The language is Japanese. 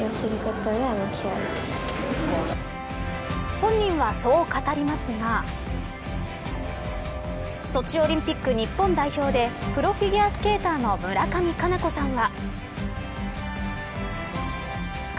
本人は、そう語りますがソチオリンピック日本代表でプロフィギュアスケーターの村上佳菜子さんは。